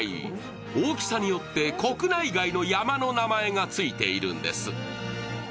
大きさによって国内外の山の名前が付いているんです。